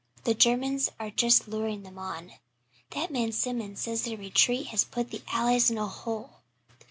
The Germans are just luring them on. That man Simonds says their retreat has put the Allies in a hole."